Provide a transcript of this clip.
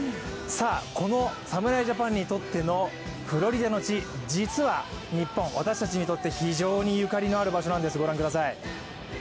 この侍ジャパンにとってのフロリダの地、実は日本、私たちにとって非常にゆかりのある場所なんです。